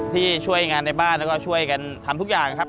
ช่วยงานในบ้านแล้วก็ช่วยกันทำทุกอย่างครับ